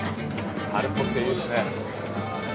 春っぽくていいですね